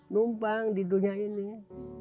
numpang di dunia ini